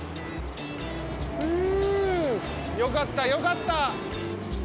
ふうよかったよかった。